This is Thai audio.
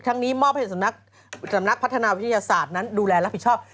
นี้มอบให้สำนักพัฒนาวิทยาศาสตร์นั้นดูแลรับผิดชอบ